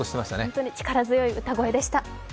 本当に力強い歌声でした。